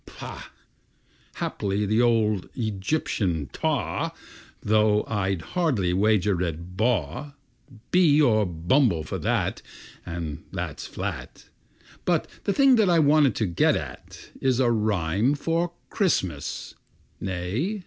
Pah! (Haply the old Egyptian ptah Though I'd hardly wager a baw Bee or a bumble, for that And that's flat!).... But the thing that I want to get at Is a rhyme for Christmas Nay!